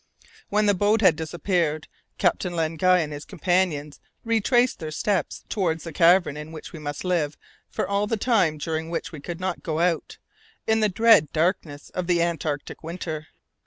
When the boat had disappeared, Captain Len Guy and his companions retraced their steps towards the cavern in which we must live for all the time during which we could not go out, in the dread darkness of the antarctic winter.